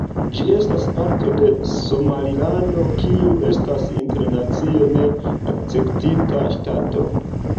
Ĝi estas parto de Somalilando, kiu estas internacie ne akceptita ŝtato.